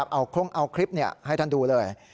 เอาคลิปให้ท่านดูเลย